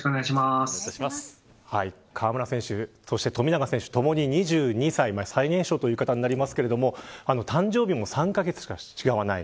河村選手、富永選手ともに２２歳最年少ということになりますが誕生日も３カ月しか違わない。